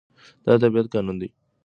دا د طبيعت قانون دی.